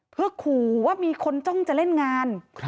เพื่อขู่ว่ามีคนจ้องจะเล่นงาน